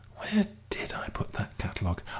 Where did I put that catalogue?...